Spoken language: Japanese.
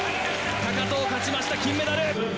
高藤、勝ちました、金メダル。